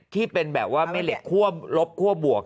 ที่เป็นแบบว่าแม่เหล็กคั่วลบคั่วบวก